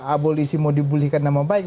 abolisi mau dibulihkan nama baik